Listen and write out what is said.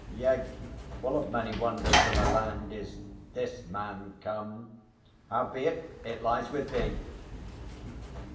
Yea, full of many wonders to thy land Is this man come. ... Howbeit, it lies with thee!